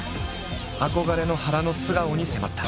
憧れの原の素顔に迫った。